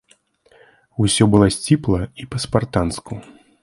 Усё было сціпла і па-спартанску.